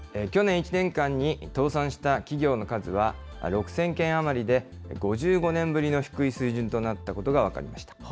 去年１年間に倒産した企業の数は６０００件余りで、５５年ぶりの低い水準となったことが分かりました。